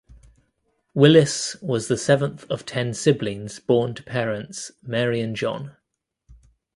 Willis was the seventh of ten siblings born to parents Mary and John.